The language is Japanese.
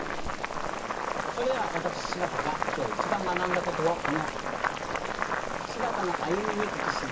それでは私柴田が今日一番学んだことをこの「柴田の歩み」に書き記したので発表したいと思います。